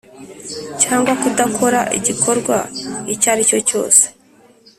Cyangwa kudakora igikorwa icyo aricyo cyose